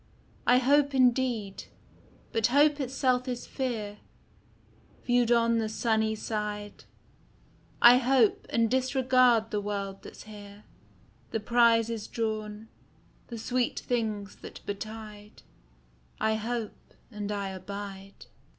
I hope indeed; but hope itself is fear Viewed on the sunny side; I hope, and disregard the world that's here, The prizes drawn, the sweet things that betide: I hope, and I abide.